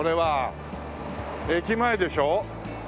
駅前でしょ。